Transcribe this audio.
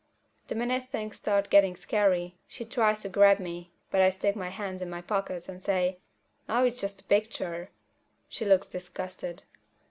The minute things start getting scary, she tries to grab me, but I stick my hands in my pockets and say, "Aw, it's just a picture." She looks disgusted.